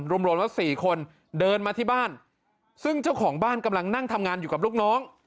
รวมรวมว่าสี่คนเดินมาที่บ้านซึ่งเจ้าของบ้านกำลังนั่งทำงานอยู่กับลูกน้อง